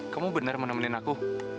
kamu benar menemani aku